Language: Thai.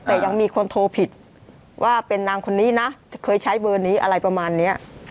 แต่ยังมีคนโทรผิดว่าเป็นนางคนนี้นะเคยใช้เบอร์นี้อะไรประมาณเนี้ย